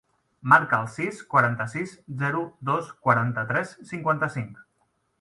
Marca el sis, quaranta-sis, zero, dos, quaranta-tres, cinquanta-cinc.